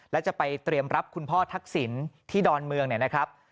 และจะไปเตรียมรับคุณพ่อทักษิณที่ดอนเมืองเนี่ยนะครับ